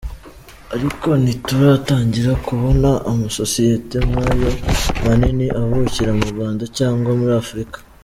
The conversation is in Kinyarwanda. Ariko ntituratangira kubona amasosiyete nk’ayo manini avukira mu Rwanda cyangwa muri Afurika”.